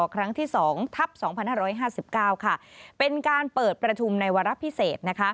ครั้งที่๒ทัพ๒๕๕๙เป็นการเปิดประชุมในวาระพิเศษ